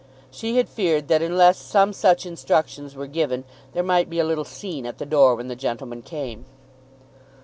She had feared that unless some such instructions were given, there might be a little scene at the door when the gentleman came.